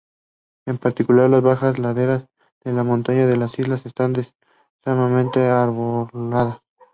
En particular, las bajas laderas de las montañas de la isla están densamente arboladas.